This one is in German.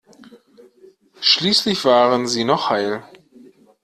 Schließlich waren sie noch heil.